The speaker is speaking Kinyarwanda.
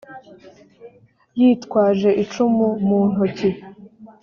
yitwaje icumu mu ntoki.